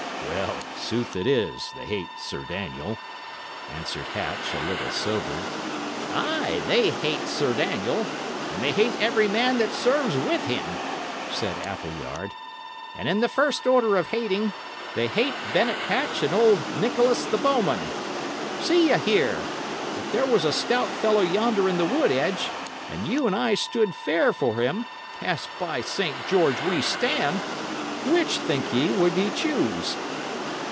"Well, sooth it is, they hate Sir Daniel," answered Hatch, a little sobered. "Ay, they hate Sir Daniel, and they hate every man that serves with him," said Appleyard; "and in the first order of hating, they hate Bennet Hatch and old Nicholas the bowman. See ye here: if there was a stout fellow yonder in the wood edge, and you and I stood fair for him as, by Saint George, we stand! which, think ye, would he choose?"